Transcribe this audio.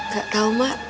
gak tau mak